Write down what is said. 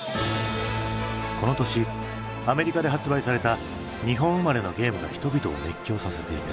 この年アメリカで発売された日本生まれのゲームが人々を熱狂させていた。